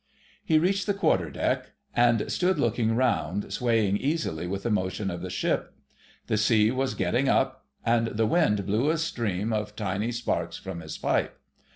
He reached the quarter deck and stood looking round, swaying easily with the motion of the ship. The sea was getting up, and the wind blew a stream of tiny sparks from his pipe.